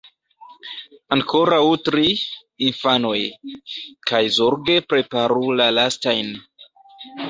Ankoraŭ tri, infanoj; kaj zorge preparu la lastajn.